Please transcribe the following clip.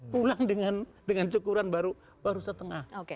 pulang dengan cukuran baru setengah